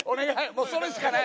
もうそれしかない！